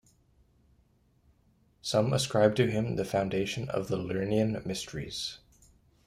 Some ascribe to him the foundation of the Lernaean mysteries.